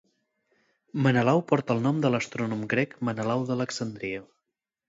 Menelau porta el nom de l'astrònom grec Menelau d'Alexandria.